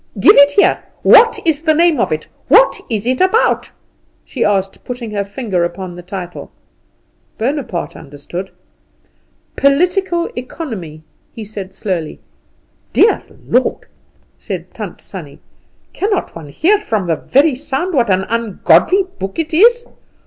"Give it here. What is the name of it? What is it about?" she asked, putting her finger upon the title. Bonaparte understood. "Political Economy," he said slowly. "Dear Lord!" said Tant Sannie, "cannot one hear from the very sound what an ungodly book it is!